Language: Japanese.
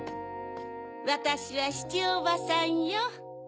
わたしはシチューおばさんよ。